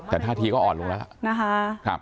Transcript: แต่ท่าทีก็อ่อนลงละละ